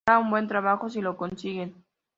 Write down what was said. Será un buen trabajo si lo consiguen".